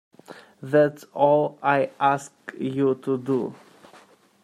That's all I ask you to do.